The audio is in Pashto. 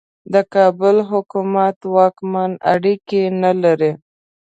د کابل حکومت واکمن اړیکې نه لري.